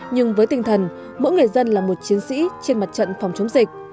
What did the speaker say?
nhưng với tinh thần mỗi người dân là một chiến sĩ trên mặt trận phòng chống dịch